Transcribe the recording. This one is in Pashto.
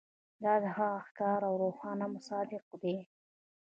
دا د هغه ښکاره او روښانه مصداق دی.